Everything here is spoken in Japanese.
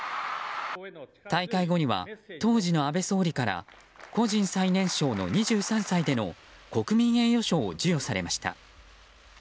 大会後には、当時の安倍総理から個人最年少の２３歳での国民栄誉賞を授与されました。